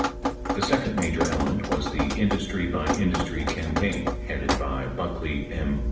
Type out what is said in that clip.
The second major element was the industry by industry campaign headed by Buckley M.